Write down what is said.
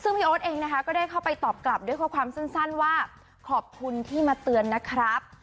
ซึ่งพี่โอ๊ตเองนะคะก็ได้เข้าไปตอบกลับด้วยข้อความสั้นว่าขอบคุณที่มาเตือนนะครับ